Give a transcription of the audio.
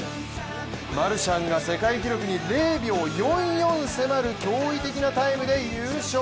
マルシャンが世界記録に０秒４４に迫る驚異的なタイムで優勝